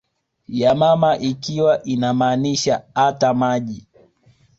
ya mama ikiwa inamaanisha ata maji